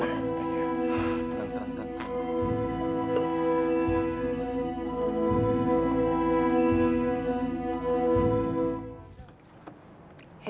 terima kasih ya